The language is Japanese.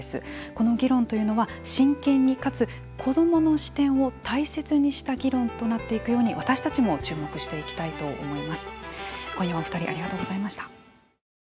この議論というのは、真剣にかつ子どもの視点を大切にした議論となっていくように、私たちも注目していきたいと思います。